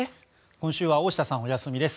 今週は大下さんお休みです。